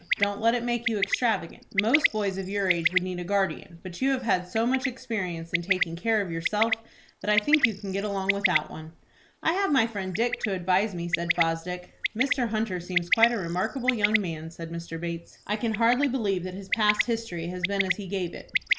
Don't let it make you extravagant. Most boys of your age would need a guardian, but you have had so much experience in taking care of yourself, that I think you can get along without one." "I have my friend Dick to advise me," said Fosdick. "Mr. Hunter seems quite a remarkable young man," said Mr. Bates. "I can hardly believe that his past history has been as he gave it."